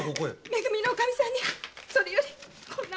め組のおかみさんにそれよりこんなものが！